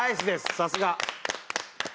さすが。